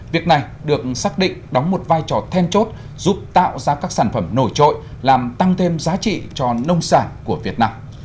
việc này được xác định đóng một vai trò then chốt giúp tạo ra các sản phẩm nổi trội làm tăng thêm giá trị cho nông sản của việt nam